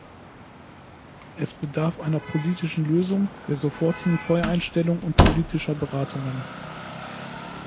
Es bedarf einer politischen Lösung, der sofortigen Feuereinstellung und politischer Beratungen.